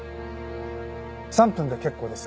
３分で結構です。